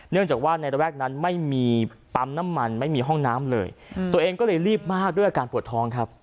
จากว่าในระแวกนั้นไม่มีปั๊มน้ำมันไม่มีห้องน้ำเลยตัวเองก็เลยรีบมากด้วยอาการปวดท้องครับ